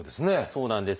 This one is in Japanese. そうなんです。